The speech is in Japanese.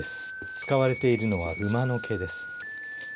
使われているのは馬の毛です。